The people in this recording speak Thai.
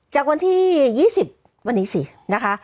จากวันที่๒๐วันนี้สินะคะ